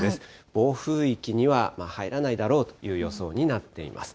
暴風域には入らないだろうという予想になっています。